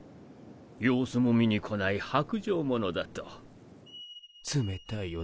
様子も見に来ない薄情者だと。